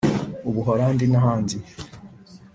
Ubuhorandi n’ahandi